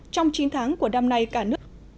trong chín tháng của năm nay cả nước